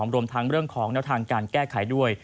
รวมทั้งเรื่องของแนวทางการแก้ไขด้วย